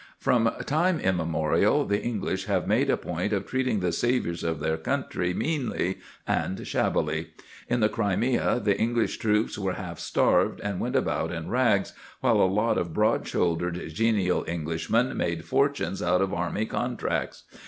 From time immemorial the English have made a point of treating the saviours of their country meanly and shabbily. In the Crimea the English troops were half starved and went about in rags, while a lot of broad shouldered, genial Englishmen made fortunes out of army contracts.